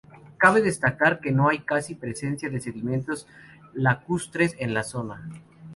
Cabe destacar que no hay casi presencia de sedimentos lacustres en la zona.